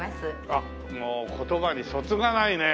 あっもう言葉にそつがないね。